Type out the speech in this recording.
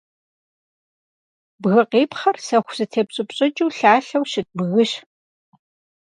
Бгыкъипхъыр сэху зэтепщӏыпщӏыкӏыу, лъалъэу щыт бгыщ.